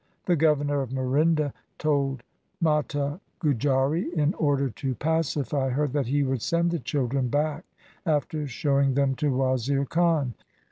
The governor of Murinda told Mata Gujari, in order to pacify her, that he would send the children back after showing them to Wazir Khan.